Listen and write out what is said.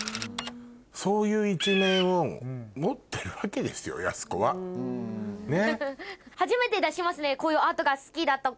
そういう一面を持ってるわけですよやす子は。があると思うので。